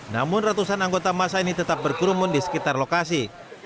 namun ratusan anggota masa ini tetap berkerumun di sekitar lokasi